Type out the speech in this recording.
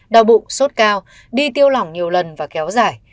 đau bụng sốt cao đi tiêu lỏng nhiều lần và kéo dài